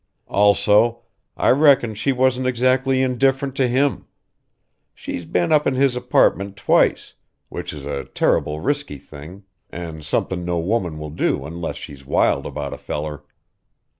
"Also, I reckon she wasn't exactly indifferent to him. She's been up in his apartment twice which is a terrible risky thing, an' somethin' no woman will do unless she's wild about a feller.